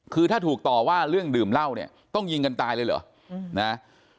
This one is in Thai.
คือถ้าถูกต่อว่าเรื่องดื่มเหล้าเนี่ยต้องยิงกันตายเลยเหรอนะ